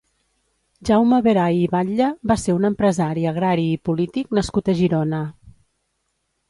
Jaume Veray i Batlle va ser un empresari agrari i polític nascut a Girona.